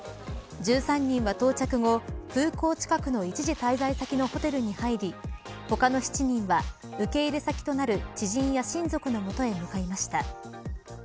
１３人は到着後空港近くの一時滞在先のホテルに入り他の７人は受け入れ先となる知人や親族のもとへ向かいました。